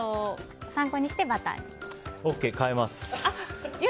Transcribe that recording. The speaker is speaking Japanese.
ＯＫ、変えます。